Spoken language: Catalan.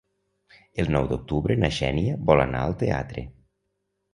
El nou d'octubre na Xènia vol anar al teatre.